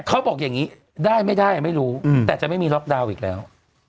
เขาบอกอย่างนี้ได้ไม่ได้ไม่รู้แต่จะไม่มีล็อกดาวน์อีกแล้ว